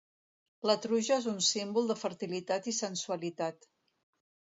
La truja és un símbol de fertilitat i sensualitat.